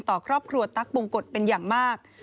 ต่อครอบครัวตั๊กบงกฎเป็นอย่างมาก